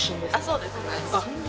そうですね。